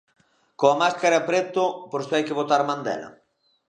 Coa máscara preto por se hai que botar man dela.